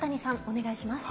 お願いします。